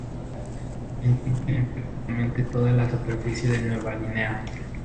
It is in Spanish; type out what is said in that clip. Se encuentra en prácticamente toda la superficie de Nueva Guinea.